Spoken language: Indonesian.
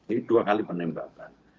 jadi dua kali penembakan